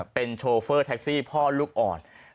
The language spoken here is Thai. เป็นโชเฟอร์แท็กซี่พ่อลูกอ่อน